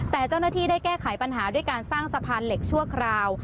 แต่เจ้าหน้าที่ได้แก้ไขปัญหาด้วยการสร้างสะพานเหล็กชั่วคราว